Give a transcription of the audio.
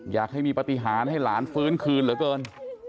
อยากให้มีปฏิหารให้หลานฟื้นคืนเหลือเกิน